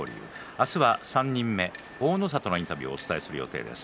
明日は３人目、大の里のインタビューをお伝えする予定です。